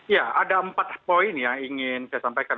ya ada empat poin yang ingin saya sampaikan